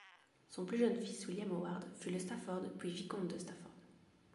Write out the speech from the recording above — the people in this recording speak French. Son plus jeune fils William Howard fut le Stafford puis vicomte de Stafford.